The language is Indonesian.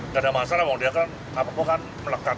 nggak ada masalah dia kan apapun kan melekat